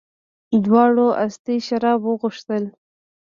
دواړو استي شراب راوغوښتل.